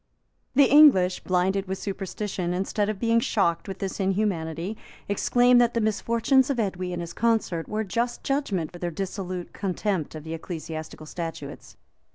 1645, 1646] The English, blinded with superstition, instead of being shocked with this inhumanity, exclaimed that the misfortunes of Edwy and his consort were a just judgment for their dissolute contempt of the ecclesiastical statutes.